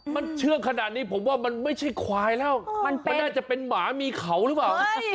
มันเชื่องขนาดนี้ผมว่ามันไม่ใช่ควายแล้วมันน่าจะเป็นหมามีเขาหรือเปล่า